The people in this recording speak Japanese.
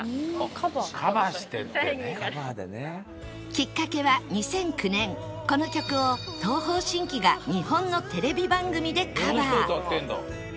きっかけは２００９年この曲を東方神起が日本のテレビ番組でカバー